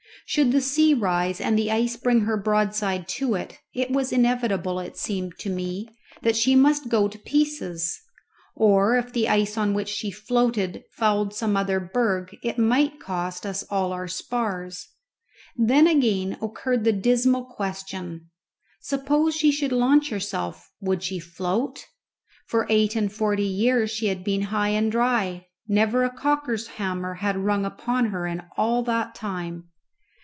Should the sea rise and the ice bring her broadside to it, it was inevitable, it seemed to me, that she must go to pieces. Or if the ice on which she floated, fouled some other berg it might cost us all our spars. Then again occurred the dismal question, Suppose she should launch herself, would she float? For eight and forty years she had been high and dry; never a caulker's hammer had rung upon her in all that time.